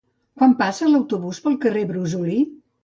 Quan passa l'autobús pel carrer Brosolí?